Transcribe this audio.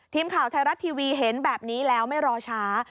ทีมข่าวไทยรัฐทีวีเห็นแบบนี้แล้วไม่รอช้า